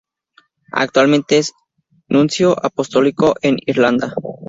Actualmente es nuncio apostólico en Irlanda.